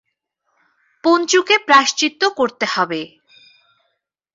পঞ্চুকে প্রায়শ্চিত্ত করতে হবে।